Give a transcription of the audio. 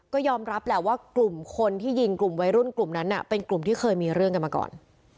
ก็ยอมรับแหละว่ากลุ่มคนที่ยิงกลุ่มวัยรุ่นกลุ่มนั้นเป็นกลุ่มที่เคยมีเรื่องกันมาก่อน